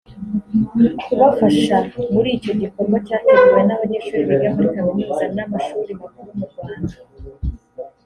kubafasha muri icyo gikorwa cyateguwe n’abanyeshuri biga muri Kaminuza n’amashuri makuru mu Rwanda